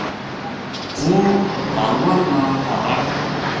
ہوں بھارواں نا تابٹ